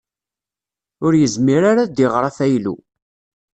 Ur yezmir ara ad iɣer afaylu.